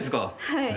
はい。